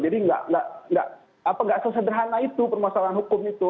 jadi tidak sesederhana itu permasalahan hukum itu